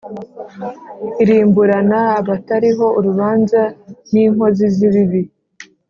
Irimburana abatariho urubanza n inkozi z ibibi